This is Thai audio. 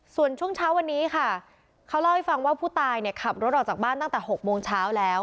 ส่วนช่วงเช้าวันนี้ค่ะเขาเล่าให้ฟังว่าผู้ตายเนี่ยขับรถออกจากบ้านตั้งแต่๖โมงเช้าแล้ว